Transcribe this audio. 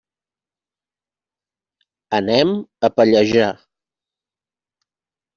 Anem a Pallejà.